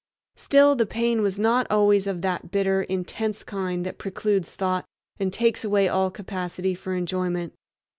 Still the pain was not always of that bitter, intense kind that precludes thought and takes away all capacity for enjoyment.